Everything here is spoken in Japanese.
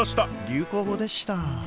流行語でした。